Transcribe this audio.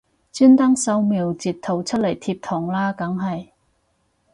專登掃瞄截圖出嚟貼堂啦梗係